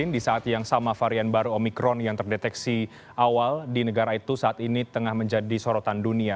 di saat yang sama varian baru omikron yang terdeteksi awal di negara itu saat ini tengah menjadi sorotan dunia